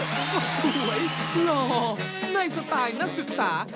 โอ้โหสวยหล่อในสไตล์นักศึกษา